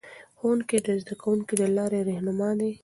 ښوونکي د زده کوونکو د لارې رهنما دي.